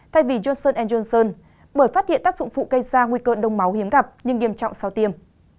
thay vì j j bởi phát hiện tác dụng phụ gây ra nguy cơ đông máu hiếm gặp nhưng nghiêm trọng sau tiêm